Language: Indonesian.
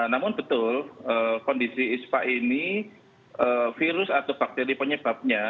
namun betul kondisi ispa ini virus atau bakteri penyebabnya